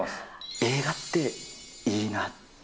映画っていいなって。